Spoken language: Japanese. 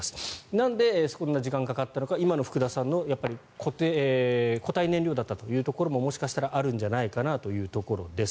なんでこんな時間がかかったのか今の福田さんのお話の固体燃料だったというところももしかしたらあるんじゃないかなというところです。